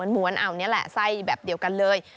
้วนเอานี่แหละไส้แบบเดียวกันเลย